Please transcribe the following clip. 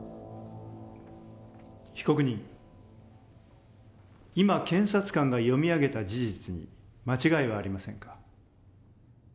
被告人今検察官が読み上げた事実に間違いはありませんか？